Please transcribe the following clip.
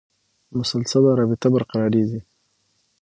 مسلسله رابطه برقرارېږي.